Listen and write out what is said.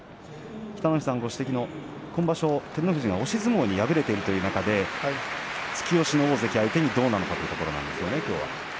今場所、照ノ富士が押し相撲に敗れているという中で突き押しの大関を相手にどうなのかというところですね。